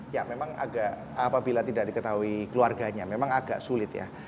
ya memang agak apabila tidak diketahui keluarganya memang agak sulit ya